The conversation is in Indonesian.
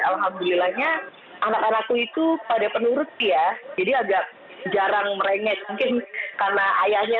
alhamdulillahnya anak anakku itu pada penurut ya jadi agak jarang merengek mungkin karena ayahnya